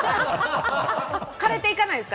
枯れていかないんですか？